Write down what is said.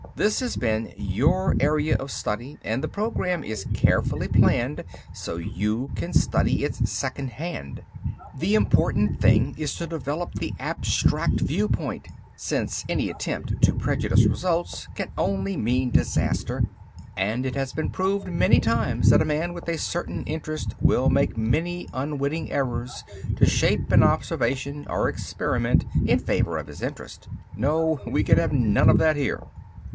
This has been your area of study and the program is carefully planned so you can study it secondhand. The important thing is to develop the abstract viewpoint, since any attempt to prejudge results can only mean disaster. And it has been proved many times that a man with a certain interest will make many unwitting errors to shape an observation or experiment in favor of his interest. No, we could have none of that here.